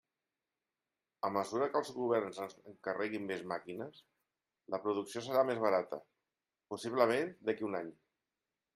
A mesura que els governs ens encarreguin més màquines, la producció serà més barata, possiblement d'aquí a un any.